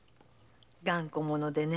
頑固者でね。